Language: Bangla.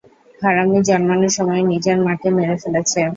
হারামি জন্মানোর সময়ে নিজের মাকে মেরে ফেলেছে।